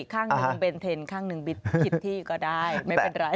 ข้างหนึ่งเบนเทนข้างหนึ่งบิดผิดที่ก็ได้ไม่เป็นไร